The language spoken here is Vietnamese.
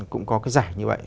cũng có cái giải như vậy